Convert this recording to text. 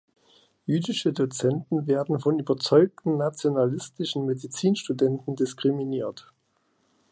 Jüdische Dozenten werden von überzeugten nationalistischen Medizinstudenten diskriminiert.